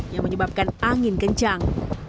yang menyebabkan angin kencang